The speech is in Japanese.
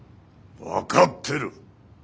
分かってる。